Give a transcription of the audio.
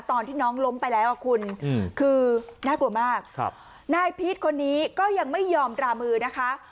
ตอนที่น้องล้มไปแล้วอ่ะคุณคือน่ากลัวมากนายพีชคนนี้ก็ยังไม่ยอมรามือนะคะ